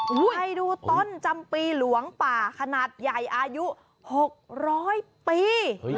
ไปดูต้นจำปีหลวงป่าขนาดใหญ่อายุ๖๐๐ปี